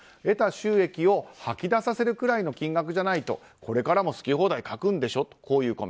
得た収益を吐き出させるぐらいの金額じゃないと、これからも好き放題書くんでしょ。